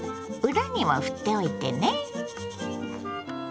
裏にもふっておいてね。